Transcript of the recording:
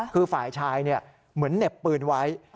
คือฝ่ายชายเหมือนเหน็บปืนไว้